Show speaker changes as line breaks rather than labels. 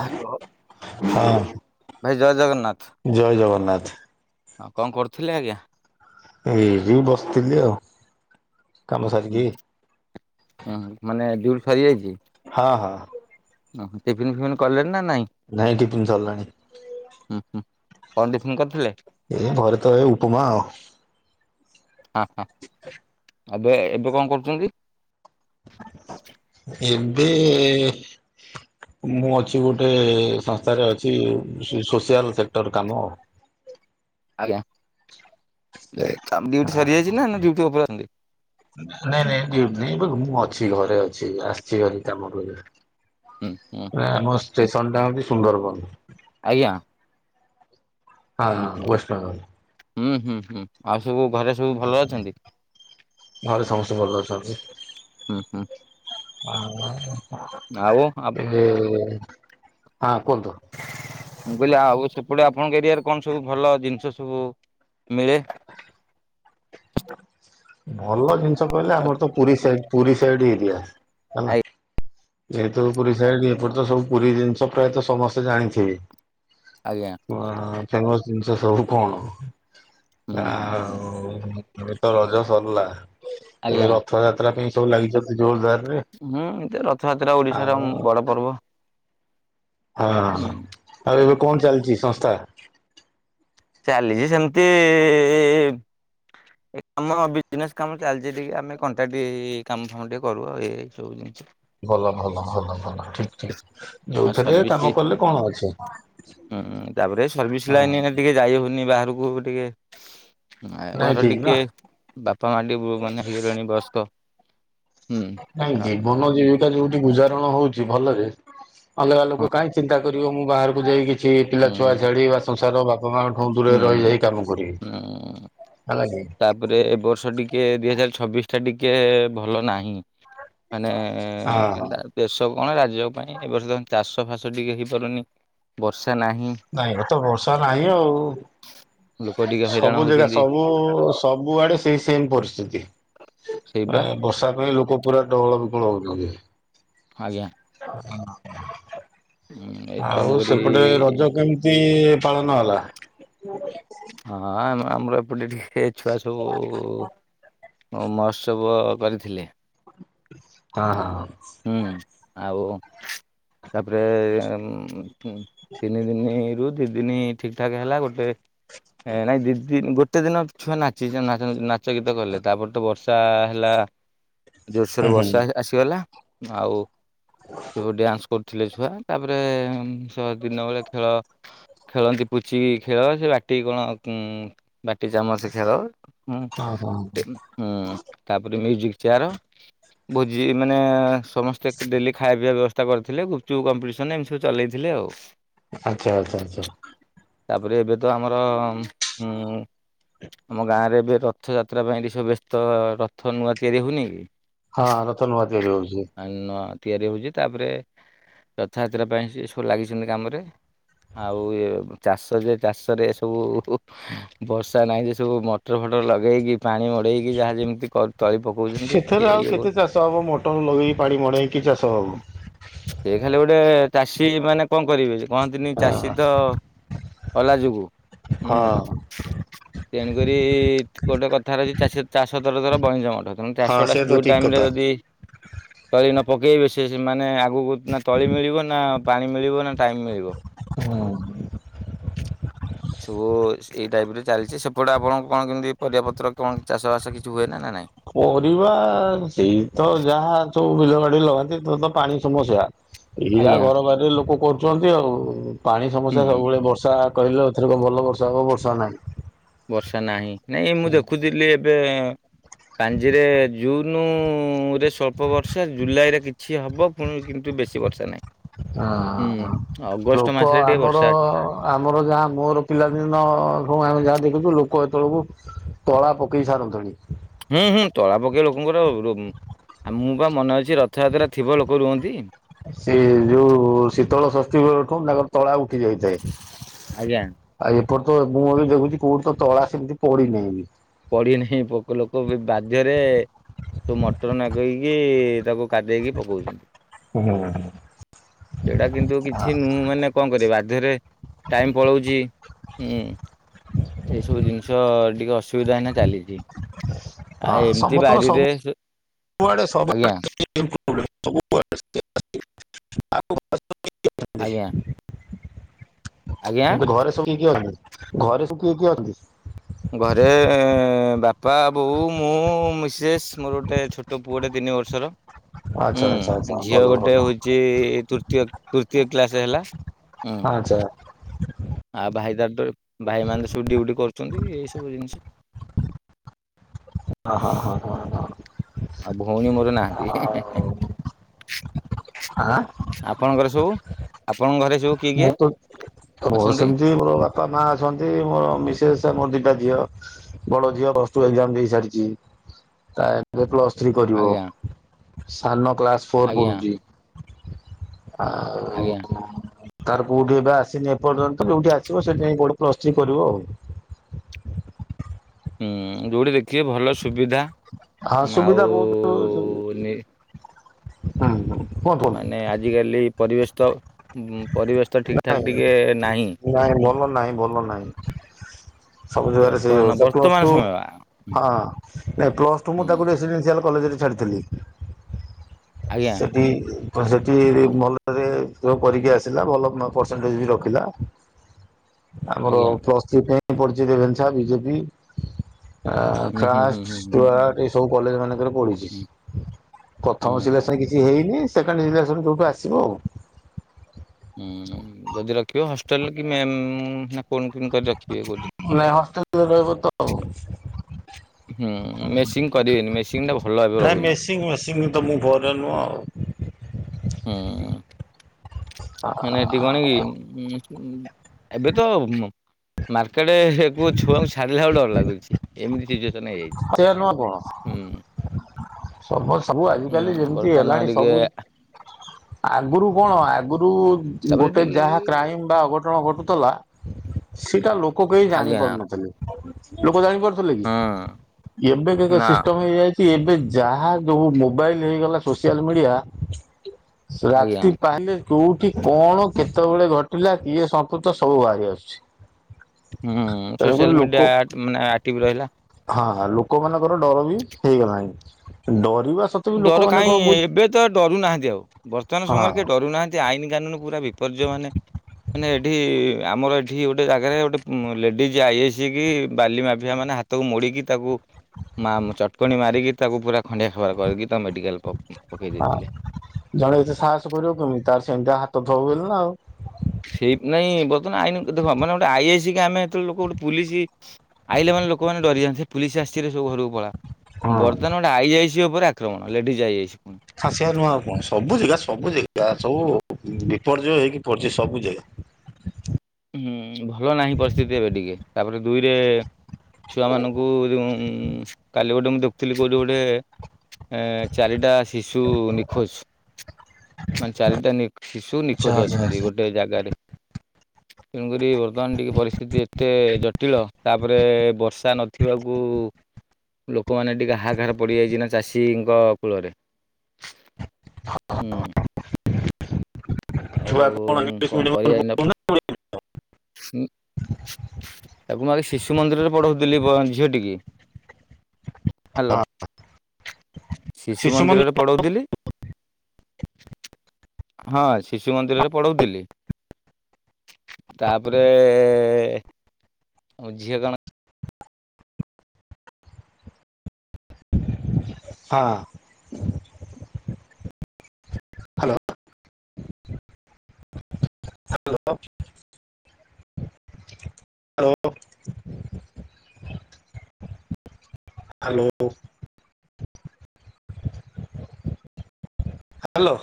Hello
ହଁ
ଭାଇ ଜୟ ଜଗନ୍ନାଥ।
ଜୟ ଜଗନ୍ନାଥ।
ଆଉ କଁ କରୁଥୁଲେ ଆଜ୍ଞା?
ଏଇଠି ବସିଥିଲି ଆଉ କାମ ସାରିକି।
ଉଁ ହୁଁ ମାନେ ଡ୍ୟୁଟି ସରି ଯାଇଚି।
ହଁ ହଁ।
ଓହ ଟିଫିିନ ଫିଫିନ କଲେଣି ନା ନାଇଁ?
ନାଇଁ ଟିଫିନ ସରିଲାଣି।
ହୁଁ ହୁଁ କଣ ଟିଫିନ କରିଥିଲେ?
ଏ ଘରେ ତ ଏ ଉପମା
ହଁ ହ ଏବେ ଏବେ କଁ କରୁଚନ୍ତି?
ଏବେ ମୁଁ ଅଛି ଗୋଟେ ସଂସ୍ଥାରେ ଅଛି ସେ ସୋସିଆଲ ସେକ୍ଟର କାମ।
ଆଜ୍ଞା ଡ୍ୟୁଟି ସରିଯାଇଚି ନା ନା ଡ୍ୟୁଟି ଓପରେ ଅଛନ୍ତି?
ନାଁ ନାଇଁ ନାଇଁ ଡ୍ୟୁଟି ନାହିଁ ଏବେ ମୁଁ ଅଛି ଘରେ ଅଛି ଆସିଛି ହାରି କାମରୁ
ହୁଁ ହୁଁ
ଅଇକା। ନାଁ ଆମ ଷ୍ଟେସନଟା ହଉଚି ସୁନ୍ଦରବନ।
ଆଜ୍ଞା। ଉଁ ହୁଁ
ହଁ
ହୁଁ
ୱେଷ୍ଟବେଙ୍ଗଲ
ହୁଁ ହୁଁ ହୁଁ ଆଉ ସବୁ ଘରେ ସବୁ ଭଲ ଅଛନ୍ତି?
ଘରେ ସମସ୍ତେ ଭଲ ଅଛନ୍ତି।
ହୁଁ ହୁଁ ଆଉ ଆ
ହଁ ଏବେ ଆ କୁହନ୍ତୁ।
ମୁଁ କହିଲି ଆଉ ସେପଟେ ଆପଣଙ୍କ ଏରିଆରେ କଣ ସବୁ ଭଲ ଜିନିଷ ସବୁ ମିଳେ?
[inaudible] ଭଲ ଜିନିଷ କହିଲେ ଆମର ତ Puri side Puri side area.
ଆଇ
ଚାଲାକ୍ ଯେହେତୁ ପୁରୀ ସାଇଡ ଏପଟେ ତ ସବୁ ପୁରୀ ଜିନିଷ ପ୍ରାୟତ ସମସ୍ତେ ଜାଣିଥିବେ।
ଆଜ୍ଞା
ତାଙ୍କ ର ଜିନିଷ ସବୁ
ହୁଁ
କଣ
ହୁଁ ହୁଁ
ଆଉ ଏମେ ତ ରଜ ସରିଲା,
ଆଜ୍ଞା।
ଏବେ ରଥଯାତ୍ରା ପାଇଁ ସବୁ ଲାଗିଛନ୍ତି ଜୋରଦାରରେ।
ହୁଁ ଏ ରଥଯାତ୍ରା ଓଡିଶାର
ଆଉ
ବଡ ପର୍ବ।
ହଁ
ହୁଁ
ଆଉ ଏବେ କଣ ଚାଲିଛି ସଂସ୍ଥା?
ଚାଲିଛି ସେମିତି ଏ କାମ ବିଜନେସ କାମ ଚାଲିଛି ଟିକେ, ଆମେ କଣ୍ଟ୍ରା କାମ ଫାମ ଟିକେ କରୁ ଆଉ ଏଇ ସବୁ ଜିନିଷ।
ଭଲ ଭଲ ଭଲ ଭଲ ଠିକ ଠିକ
ଆଉ
ଯୋଉଥିରେ
ସର୍ଭିସ
କାମ କଲେ କଣ ଅଛି।
ହୁଁ ତାପରେ ସର୍ଭିସ
ହଁ
ଲାଇନ ଟିକେ ଯାଇ ହଉନି ବାହାରକୁ। ଟିକେ
ନାଇଁ
ଘର
ଠିକ ନା।
ଟିକେ ବାପା ମା ଟିକେ ମାନେ ହେଇଗଲେଣି ବୟସ୍କ। ହୁଁ
ନାଇଁ
ହଁ
ଜୀବନ ଜୀବି ଯୋଉଠି ଗୁଜାରରଣ ହଉଛି ଭଲରେ ଅଲଗା ଲୋକ କାଇ ଚିନ୍ତା କରିବ, ମୁଁ ବାହାରକୁ ଯାଇକି କିଛି ପିଲା ଛୁଆ
ହୁଁ
ଛାଡି ବା ସଂସାର ବାପା ମାଙ୍କଠୁ ଦୂରରେ
ହୁଁ
ରହିଯାଇ କାମ କରିବି।
ହୁଁ
ହେଲା କି
ତାପରେ ଏ ବର୍ଷ ଟିକେ ଦୁଇ ହଜାର ଚବିଶି ଟା ଟିକେ ଭଲ ନାହିଁ। ମାନେ
ହଁ ହଁ
ତା ଦେଶ କଣ ରାଜ୍ୟ ପାଇଁ ଏ ବର୍ଷ ତ ଚାଷ ଫାସ ଟିକେ ହେଇପାରୁନି। ବର୍ଷା ନାହିଁ।
ନାଇଁ ଏ ବର୍ଷ ବର୍ଷା ନାହିଁ ଆଉ।
ଲୋକ ଟିକେ ହଇରାଣ
ସବୁ ଜେଗା
ହଉଛନ୍ତି
ସବୁ ସବୁ ସବୁ ଆଡେ ଏଇ ସେମ୍ ବରସୁଛି,
ସେଇବା
ବର୍ଷା ପାଇଁ ଲୋକ ପୁରା ଡହଳ ବିକଳ ହଉଚନ୍ତି।
ଆଜ୍ଞା। ଏ
ଆଉ
ତେଣୁକରି
ସେପଟେ ରଜ କେମତି? କେମତି ପାଳନ ହେଲା? [inaudible]
ହଁ ଆ ଆମର ଏପଟେ ଟିକେ ଛୁଆ ସବୁ ମହୋତ୍ସବ କରିଥିଲେ।
ହଁ, ହଁ, ହଁ,
ହୁଁ ଆଉ ତାପରେ ହୁଁ ତିନି ଦିନି ରୁହ, ଦି ଦିନି ଠିକ୍ ଠାକ୍ ହେଲା ଗୋଟେ ଏ ନାଇଁ ଦି ଦିନ୍ ଗୋଟେ ଦିନ ଛୁଆ ନାଚିଜା ନାଚ ଗୀତ କଲେ ତାପରେ ତ ବର୍ଷା ହେଲା।
ହୁଁ
ଜୋରସୋରେ
ହୁଁ
ବର୍ଷା ଆ ଆସିଗଲା ଆଉ ଯୋଉ ଡ୍ୟାନ୍ସ କରୁ କରୁଥିଲେ ଛୁଆ, ତାପରେ ଛୁଆ ଦିନ ବେଳେ ଖେଳ ଖେଳନ୍ତି ପୁଚିକି ଖେଳ ସେ ବାଟି କଣ ବାଟି ଚାମଚ ଖେଳ। ହୁଁ
ହଁ ହଁ
[unintelligible] ହୁଁ ତାପରେ ମ୍ୟୁଜିକ୍ ଚେୟାର, ଭୋଜି ମାନେ ସମସ୍ତେ ଡେଲି ଖାଇବା ପିଇବା ବ୍ୟବସ୍ଥା କରିଥିଲେ, ଗୁପଚୁପ୍ କମ୍ପିଟିସନ ଏମିତି ସବୁ ଚଲେଇଥିଲେ ଆଉ।
ଆଚ୍ଛା, ଆଚ୍ଛା, ଆଚ୍ଛା।
ତାପରେ ଏବେ ତ ଆମର ଉଁ ଆମ ଗାଁରେ ଏବେ ରଥଯାତ୍ରା ପାଇଁ ଏଠି ସବୁ ବ୍ୟସ୍ତ ରଥ ନୂଆ ତିଆରି ହଉନି କି?
ହଁ ରଥ ନୂଆ ତିଆରି ହଉଚି।
ଆ ନୁଆ ତିଆରି ହଉଛି ତାପରେ ରଥଯାତ୍ରା ପାଇଁ ସେ ସବୁ ଲାଗିଛନ୍ତି କାମରେ। ଆଉ ଏ ଚାଷ ଯେ ଚାଷରେ ଏସବୁ ବର୍ଷା ନାହିଁ ଯେ ସବୁ ମଟର ଫଟର ଲଗେଇକି ପାଣି ମଡେଇକି ଯାହା ଯେମିତି କରି ତଳି ପକଉଛନ୍ତି,
ସେଥିରେ
କି
ଆଉ
ଇଏ
[unintelligible] ମଟର ଲଗେଇ ପାଣି ମଡ଼େଇକି ଚାଷ ହବ।
[unintelligible] ଖାଲି ଗୋଟେ ଚାଷୀ ମାନେ କଣ କରିବେ? କୁହନ୍ତିନି ଚାଷୀ ତ ଅଲାଯୁଗୁ
ହଁ
ହୁଁ। ତେଣୁକରି ଗୋଟେ କଥାରେ ଅଛି ଚାଷ ଚାଷଥରଥର ବହିଁସ ମଠ, ତେଣୁ
ହଁ
ଚାଷଟା
ସେ ତ
ଯୋଉ
ଠିକ
ଟାଇମ୍ ରେ
କଥା।
ଯଦି ତଳି ନ ପକେଇବେ ସେ ମାନେ ଆଗକୁ ନା ତଳି ମିଳିବ ନା ପାଣି ମିଳିବ ନା ଟାଇମ୍ ମିଳିବ।
ହୁଁ।
ସବୁ ଏଇ ଟାଇପ୍ରେ ଚାଲିଛି, ସେପଟେ ଆପଣଙ୍କୁ କଣ କେମିତି ପରିବାପତ୍ର କଣ ଚାଷବାସ କିଛି ହୁଏ ନା ନା ନାହିଁ?
ପରିବା ସେଇ ତ ଯାହା ସବୁ ବିଲ ବାଡି ଲଗାନ୍ତି ତ ତ ପାଣି ସମସ୍ୟା ଏଇଆ
ଆଜ୍ଞା
ଘର ବାଡିରେ ଲୋକ କରୁଚନ୍ତି ଆଉ ପାଣି
ହୁଁ
ସମସ୍ୟା ସବୁବେଳେ ବର୍ଷା କହିଲ ଏଥର କଣ ଭଲ ବର୍ଷା ହବ ବର୍ଷା ନାହିଁ।
ବର୍ଷା ନାହିଁ ନାଇଁ ମୁଁ ଦେଖୁଥିଲି ଏବେ ପାଞ୍ଜିରେ ଜୁନ୍ ନୁଁ ରେ ସ୍ୱଳ୍ପ ବର୍ଷା ଜୁଲାଇରେ କିଛି ହବ ପୁଣି କିନ୍ତୁ ବେଶୀ ବର୍ଷା ନାହିଁ।
ଅହ
ହୁଁ ଅଗଷ୍ଟ
ଲୋକ
ମାସରେ ଟିକେ
ଆମର
ବର୍ଷା ଅଛି
ଆମର ଯାହା ମୋର ପିଲାଦିନ ଏବଂ ଆମେ ଯାହା ଦେଖୁଥୁଲୁ ଲୋକ ଏତେଳକୁ ତଳା ପକେଇ ସାରନ୍ତଣି।
ହୁଁ-ହୁଁ ତଳା ପକେଇ ଲୋକଙ୍କର ରୋମ୍, ଆ ମୁଁବା ମନେଅଛି ରଥଯାତ୍ରା ଥିବ ଲୋକ ରୁଅନ୍ତି।
ସେ ଯୋଉ ଶୀତଳ ଷଷ୍ଠୀବେଳଠୁ ତାଙ୍କର ତଳା ଉଠି ଯାଇଥାଏ।
ଆଜ୍ଞା
ଆଉ ଏପଟ ତ ମୁଁ ଏବେ ଦେଖୁଚି କୋଉଠି ତଳା ସେମିତି ପଡିନାହିଁବି?
ପଡିନେହିଁ ପୋକ ଲୋକ ବି ବାଧ୍ୟରେ ତୁ ମଟର ନାଗେଇକି ତାକୁ କାଦେଇକି ପକଉଚନ୍ତି।
[inaudible]
ସେଇଟା କିନ୍ତୁ କିଛି ନୁହଁ ମାନେ କଣ କରିବା ବାଧ୍ୟରେ ଟାଇମ୍ ପଳଉଚି। ହୁଁ ଏଇସବୁ ଜିନିଷ ଟିକେ ଅସୁବିଧା ହେନା ଚାଲିଛି।
ହଁ
ଆଉ ଏମିତି
ସମସ୍ତଙ୍କ
ବାରିରେ,
ସବୁଆଡେ ସବୁଆଡେ
ଆଜ୍ଞା। ଆଜ୍ଞା
[inaudible]
ଆଜ୍ଞା।
[inaudible]
ଘରେ ବାପା ବୋଉ ମୁଁ ମିସେସ୍ ମୋର ଗୋଟେ ଛୋଟ ପୁଅଟେ ତିନି ବର୍ଷର
ଆଚ୍ଛା ଆଚ୍ଛା ଆଚ୍ଛା
ହୁଁ ଝିଅ
ଭଲ
ଗୋଟେ
ଭଲ
ହଉଚି ତୃ [unintelligible] ତୃତୀୟ କ୍ଲାସ ହେଲା, ହୁଁ।
ଆଚ୍ଛା।
ଆଉ ଭାଇ ଦାର ଭାଇ ମାନ ସବୁ ଡଉଟି କରୁଚନ୍ତି, ଏଇ ସବୁ ଜିନିଷ।
ହ ହଁ। ହଁ ହଁ ହଁ।
ଆଉ ଭଉଣୀ ମୋର
ଆଉ
ନାହାନ୍ତି।
ଆଁ।
ଆପଣଙ୍କର ସବୁ ଆପଣଙ୍କ ଘରେ ସବୁ କିଏ
ମୁଁ
କିଏ
ତ ତମର
ଅଛନ୍ତି?
ସେମିତି ବର ବାପା ମା ଅଛନ୍ତି ମୋର ମିସେସ୍ ମୋର ଦିଟା ଝିଅ। ବଡ ଝିଅ ପ୍ଲସ୍ଟୁ ଏକ୍ସାମ୍ ଦେଇ ସାରିଚି ତା ପ୍ଲସ୍ ଥ୍ରୀ କରିବ
ଆଜ୍ଞା
ସାନ କ୍ଲାସ ଫୋର୍
ଆଜ୍ଞା
ପଢୁଚି। [unintelligible]
ଆଜ୍ଞା
ତାର କୋଉଠି ଏବେ ଆସିନି ଏପର୍ଯ୍ୟନ୍ତ ଯୋଉଠି ଆସିବ ସେଠିଯାଇଁ ଗୋଟେ ପ୍ଲୁସ ଥ୍ରୀ କରିବ ଆଉ।
ହୁଁ ଯୋଉଠି ଦେଖିବେ ଭଲ ସୁବିଧା
ହଁ ସୁବିଧା ବହୁତ ହୁଁ ହୁଁ
ଆଉ ନି
[unintelligible]
ମାନେ ଆଜିକାଲି ପରିବେଶ ତ ପରିବେଶ ତ ଠିକ
ନାଇଁ
ଠାକ ଟିକେ ନାହିଁ।
ନାଇଁ ଭଲ ନାହିଁ ଭଲ ନାହିଁ। ସବୁ ଜାଗାରେ ସେଇ
ବର୍ତ୍ତମାନ
ଅବସ୍ଥା
ବର୍ତ୍ତମାନ
ପ୍ଲସ ଟୁ
ସମୟ
ହଁ ନାଇଁ ପ୍ଲସ ଟୁ ମୁଁ
ହୁଁ
ତାକୁ ରେସିଡେଣ୍ଡିଆଲ କଲେଜ ରେ ଛାଡ଼ିଥିଲି
ଆଜ୍ଞା
ସେଇଠି
ହୁଁ
[unintelligible] [unintelligible] କରିକି ଆସିଲା ଭଲ ପେରସେଣ୍ଟଗେ ବି ରଖିଲା ଆମର
ଆଜ୍ଞା
ପ୍ଲୁସ ଥ୍ରୀ ପାଇଁ ପଡିଛି ରେଭେନ୍ଶା, ବି ଯେ ବି ଆ
ହୁଁ ହୁଁ ହୁଁ
ଖରାଷ୍ଟ,
ହୁଁ ହୁଁ
ସ୍ତୁଆର୍ଟ ଏଶ ସବୁ କଲେଜ ମାନଙ୍କରେ ପଢ଼ିଛି।
ହୁଁ
ପ୍ରଥମ
ହୁଁ
ସିଲେକ୍ସନ କିଛି ହେଇନି ସେକେଣ୍ଡ ସେଲେକ୍ସନ ଯୋଉଠୁ ଆସିବ ଆଉ।
ହଁ ଯଦି ରଖିବ ହଷ୍ଟେଲ କି ମେମ [unintelligible] କରି ରଖିବେ ବୋଲି
ନାଇଁ ହଷ୍ଟେଲରେ ରହିବ ତ ଆଉ
ହୁଁ ମେସିଂ କରିବେନି ମେସିଂ ଟା ଭଲ ଭାବେ ରହୁନି।
[unintelligible]
ହଁ। ମାନେ ଏଠି କଣ କି ଏବେ ତ ମାର୍କେଟ କୂ ଛୁଆଙ୍କୁ ଛାାରିଲା ବେଳକୁ ଡର ଲାଗୁଛି। ଏମିତି ସିଚୁଏସନ
ସେଇଆ
ହେଇଯାଇଛି ହୁଁ।
ସମ ସବୁ ଆଜିିକାଲି
ହୁଁ
ଯେମିତି
ବର୍ତ୍ତମାନ
ହେଲାଣି
ଟିକେ
ସବୁ ଆଗରୁ କଣ ଆଗରୁ
ତାପରେ
ଗୋଟେ
ଟିକେ
ଯାହା କ୍ରାଇମ ବା ଅଘଟଣ ଘଟୁଥିଲା ସେଟା ଲୋକ କେହି
ଆଜ୍ଞା
ଜାଣିପାରୁନଥିଲେ। ଲୋକ ଜାଣିପାରୁଥିଲେ କି
ହୁଁ
ଏବେ ଦେଖ
ନା
ସିଷ୍ଟମ ହେଇଯାଇଛି ଏବେ ଯାହା ଯୋଉ ମୋବାଇଲ ହେଇଗଲା ସୋସିଆଲ ମିଡିଆ
ଆଜ୍ଞା
ରାତି ପାହିଲେ କୋଉଠି କଣ କେତେବେଳେ ଘଟିଲା କିଏ ସମ୍ପୃତ ସବୁ ବାହାରି ଆସୁଛି।
ହୁଁ
ତେଣୁକରି
ସୋସିଆଲ ମିଡିଆ
ଲୋକ
ମାନେ ଆକ୍ଟିଭ ରହିଲା।
ହଁ ଲୋକମାନାନଙ୍କର ଡର ବି ହେଇଗଲାଣିହିଁ ଡରିବା ସତ
ଡର କାହିଁ ଏବେ ତ ଡରୁ ନାହାନ୍ତି ଆଉ ବର୍ତ୍ତମାନ ସମୟରେ
ହଁ
କେହି ଡରୁ ନାହାନ୍ତି ଆଇନ କାନୁନ ପୁରା ବି ବିପର୍ଯ୍ୟ ମାନେ ମାନେ ଏଠି ଆମର ଏଠି ଏଠି ଗୋଟେ ଜାଗାରେ ଗୋଟେ ଲେଡିଜି ଆଇଆଇସି କି ବାଲି ମାଫିଆ ମାନେ ହାତକୁ ମୋଡିକି ତାକୁ ମା ଚଟକଣି ମାରିକି ତାକୁ ପୁରା ଖଣ୍ଡିଆ ଖାବରା କରିକି ତାକୁ ମେଡିକାଲ ରେ ପକେଇ
ହଁ
ଦେଇଥିଲେ।
ଜଣେ ଏତେ ସାହସ କରିବ କେମିତି ତାର ସେମିତିଆ ହାତ ଥବବୋଲି ନା ଆଉ।
ସେଇତି ନାଇଁ ବର୍ତ୍ତମାନ ଆଇନ ଦେଖ ମାନେ ଗୋଟେ ଆଇ ଆଇ ସିକି ଆମେ ଯେତେବେଳେ ଲୋକ ଗୋଟେ ପୁଲିସ ଆଇଲା ମାନେ ଲୋକମାନେ ଡରିଯାନ୍ତି ହେଇ ପୁଲିସ ଆସିଚି ରେ ସବୁ ଘରକୁ ପଳା।
ହଁ
ବର୍ତ୍ତମାନ ଗୋଟେ ଆଇଆଇସି ଉପରେ ଆକ୍ରମଣ ଲେଡିଜ ଆଇଆଇସି ପୁଣି।
ହଁ ସେଇଆ ନୁହେଁ ଆଉ କଣ ସବୁଜାଗା, ସବୁଜାଗା ସବୁ ବିପର୍ଯ୍ୟୟ ହେଇକି ପଡିଛି ସବୁ ଜାଗା।
ହୁଁ ଭଲ ନାହିଁ ପରିସ୍ଥିତି ଏବେ ଟିକେ ତାପରେ ଦୁଇରେ ଛୁଆ ମାନଙ୍କୁ ଯୋଉ କାଲି ଗୋଟେ ମୁଁ ଦେଖୁଥିଲି କଉଠି ଗୋଟେ। ଏ ଚାରିଟା ଶିଶୁ ନିଖୋଜ। ମାନେ ଚାରିଟା ଶିଶୁ
ଆଚ୍ଛା
ନିଖୋଜ
ଆଚ୍ଛା
ଅଛନ୍ତି
ଆଚ୍ଛା।
ଗୋଟେ ଜାଗାରେ। ତେଣୁକରି ବର୍ତ୍ତମାନ ଟିକେ ପରିସ୍ଥିତି ଏତେ ଜଟିଳ ତାପରେ ବର୍ଷା ନଥିବାକୁ ଲୋକମାନେ ଟିକେ ହାହକାର ପଡିଯାଇଛି ନା ଚାଷୀଙ୍କ କୂଳରେ। ହୁଁ।
[inaudible]
ଆଉ
ଛୁଆ କଣ ଇଂଲିଶ ମିଡ଼ିଅମ
ହୁଁ [inaudible] ତାକୁ ମୁ ଆଗ ଶିଶୁ ମନ୍ଦିରରେ ପଢଉଥିଲି ବ ଝିଅ ଟିକି। ହ୍ୟାଲୋ।
ହଁ
ଶିଶୁ ମନ୍ଦିରରେ ପଢଉଥିଲି। ହଁ, ଶିଶୁ ମନ୍ଦିରରେ ପଢଉଥିଲି। ତାପରେ? ଏ ଝିଅ କଣ?
ହଁ, hello hello [unintelligible] hello. Hello. Hello.